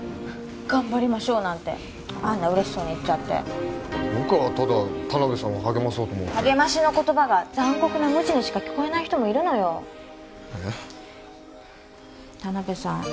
「がんばりましょう」なんてあんなうれしそうに言っちゃって田辺さんを励まそうと思って励ましの言葉が残酷なムチにしか聞こえない人もいるのよ田辺さん